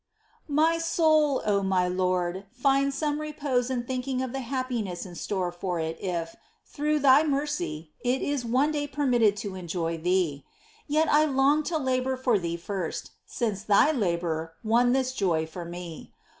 My soul, O my Lord, finds some repose in thinking of the happiness in store for it if, through Thy mercy, it is one day permitted to enjoy Thee ! Yet I long to labour for Thee first, ^ since Thy labour won this joy for me.